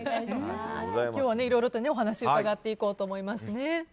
今日はいろいろとお話を伺っていこうと思います。